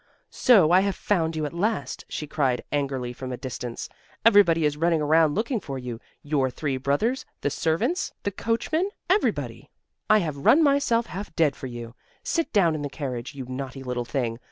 "So I have found you at last," she cried angrily from a distance. "Everybody is running around looking for you your three brothers, the servants, the coachman everybody! I have run myself half dead for you. Sit down in the carriage, you naughty little thing.